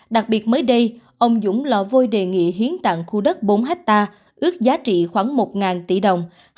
đặc biệt mới đây ông dũng lò vôi đề nghị hiến tặng khu đất bốn hectare ước giá trị khoảng một tỷ đồng